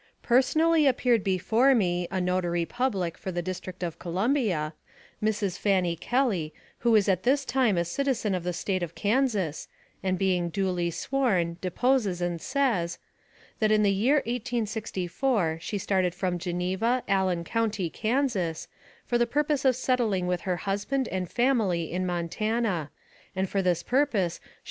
Personally appeared before me, a Notary Public for the District of Columbia, Mrs. Fanny Kelly, who is at this time a citizen of the State of Kansas, and be ing duly sworn, deposes and says : That in the year 1864, she started from Geneva, Allen County, Kansas, for the purpose of settling with her husband and family in Montana, and for this purpose she